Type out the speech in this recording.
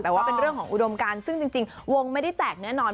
แต่ว่าเป็นเรื่องของอุดมการซึ่งจริงวงไม่ได้แตกแน่นอน